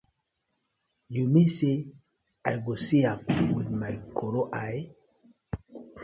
Yu mean say I go see am wit my koro eye?